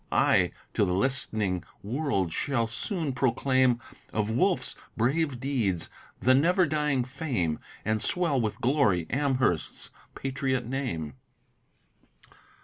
I to the list'ning world shall soon proclaim Of Wolfe's brave deeds, the never dying fame, And swell with glory Amherst's patriot name.